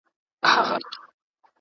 دا نان له هغه تازه دی!؟